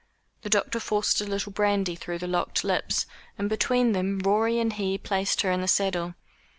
The doctor forced a little brandy through the locked lips, and between them Rorie and he placed her in the saddle.